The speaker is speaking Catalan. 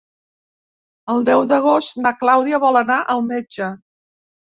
El deu d'agost na Clàudia vol anar al metge.